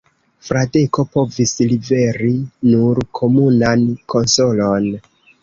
Fradeko povis liveri nur komunan konsolon.